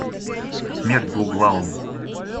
Смерть двуглавому!